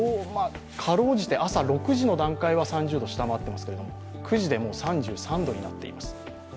かろうじて朝６時の段階は３０度を下回っていますけど、９時でもう３３度になっています。